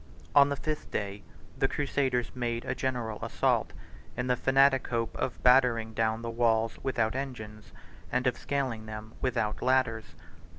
On the fifth day, the crusaders made a general assault, in the fanatic hope of battering down the walls without engines, and of scaling them without ladders.